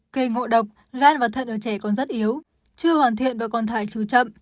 kê ngộ độc gan và thân ở trẻ còn rất yếu chưa hoàn thiện và còn thải trừ chậm